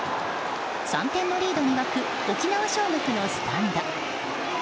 ３点のリードに沸く沖縄尚学のスタンド。